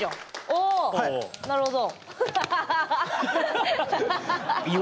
あなるほど。